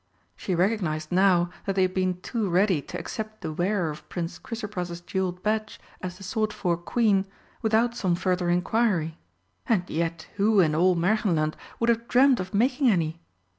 She recognised now that they had been too ready to accept the wearer of Prince Chrysopras's jewelled badge as the sought for Queen without some further inquiry and yet who in all Märchenland would have dreamed of making any?